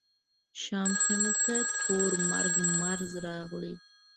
شام سیمو ته تور مرګ مرض راغلی.